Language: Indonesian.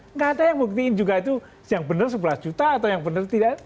nggak ada yang buktiin juga itu yang benar sebelas juta atau yang benar tidak